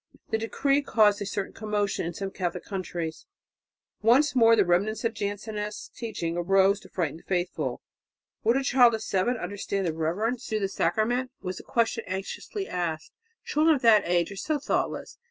The decree caused a certain commotion in some Catholic countries. Once more the remnants of Jansenist teaching arose to frighten the faithful. Would a child of seven understand the reverence due to the Sacrament? was the question anxiously asked children of that age are so thoughtless.